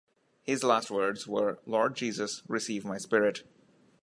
His last words were "Lord Jesus, receive my spirit".